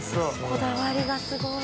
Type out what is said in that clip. こだわりがすごい。